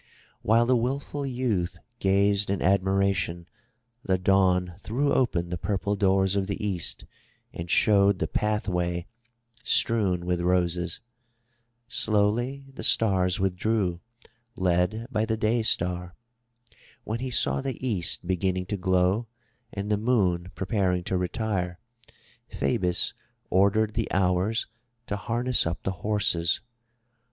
While the wilful youth gazed in admiration, the Dawn threw open the purple doors of the East, and showed the pathway strewn with roses. Slowly the stars withdrew, led by the Day star. When he saw the East beginning to glow and the Moon preparing to retire, Phoebus ordered the Hours to harness up the horses.